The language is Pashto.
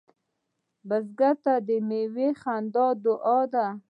بزګر ته د میوې خندا دعا ده